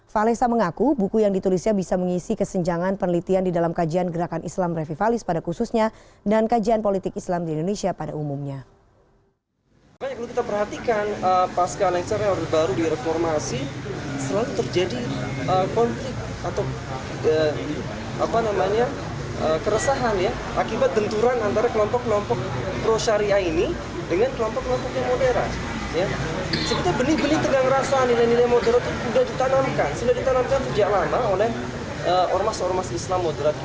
fahle sam mengaku buku yang ditulisnya bisa mengisi kesenjangan penelitian di dalam kajian gerakan islam revivalis pada bulan mubarak